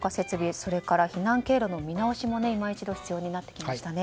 それから避難経路の見直しも今一度必要になってきましたね。